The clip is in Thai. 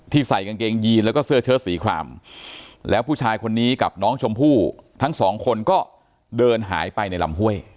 ใส่กางเกงยีนแล้วก็เสื้อเชิดสีครามแล้วผู้ชายคนนี้กับน้องชมพู่ทั้งสองคนก็เดินหายไปในลำห้วย